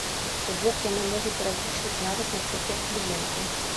То бок, яны могуць разлічваць нават на прыток кліентаў.